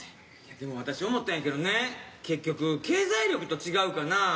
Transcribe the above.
でも私思ったんやけどね結局経済力とちがうかな？